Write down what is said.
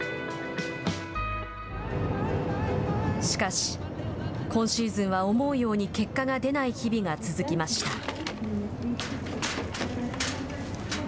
しかし、今シーズンは思うように結果が出ない日々が続きました。